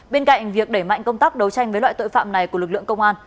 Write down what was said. bên cạnh việc đẩy mạnh công tác đấu tranh với loại tội phạm này của lực lượng công an